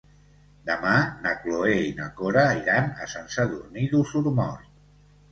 Demà na Cloè i na Cora iran a Sant Sadurní d'Osormort.